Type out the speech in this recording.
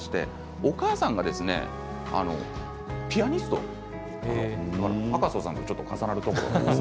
お母さんがピアニストで赤楚さんと重なる部分がありますね。